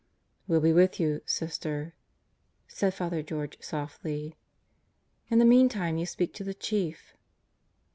"We'll be with you, Sister," said Father George softly. "In the meantime you speak to the Chief."